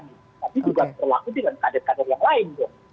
tapi juga berlaku dengan kader kader yang lain